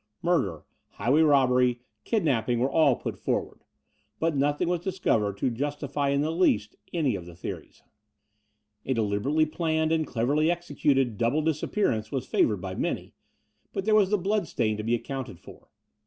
Murder, highway robbery, kidnapping were all put forward; but nothing was discovered to justify in the least any of the theories. A de liberately planned and cleverly executed double disappearance was favoured by many: but there was the bloodstain to be accotmted for.